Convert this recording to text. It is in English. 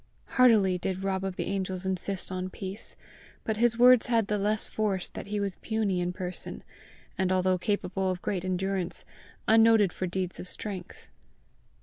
Heartily did Rob of the Angels insist on peace, but his words had the less force that he was puny in person, and, although capable of great endurance, unnoted for deeds of strength.